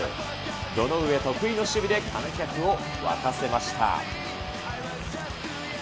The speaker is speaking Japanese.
堂上得意の守備で観客を沸かせました。